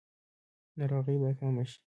ناروغۍ به کمې شي؟